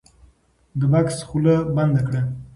د بکس خوله بنده کړه.